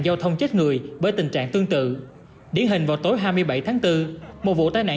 giao thông chết người bởi tình trạng tương tự điển hình vào tối hai mươi bảy tháng bốn một vụ tai nạn